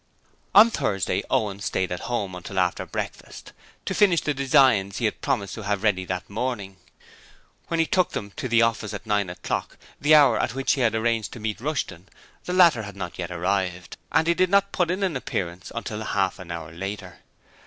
On Thursday Owen stayed at home until after breakfast to finish the designs which he had promised to have ready that morning. When he took them to the office at nine o'clock, the hour at which he had arranged to meet Rushton, the latter had not yet arrived, and he did not put in an appearance until half an hour later.